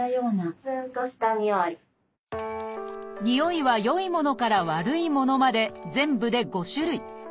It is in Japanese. においは良いものから悪いものまで全部で５種類。